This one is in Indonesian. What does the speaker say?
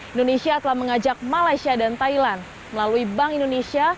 indonesia telah mengajak malaysia dan thailand melalui bank indonesia